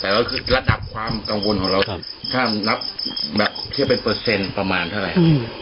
แต่เราคือระดับความกังวลของเราถ้านับแบบเทียบเป็นเปอร์เซ็นต์ประมาณเท่าไหร่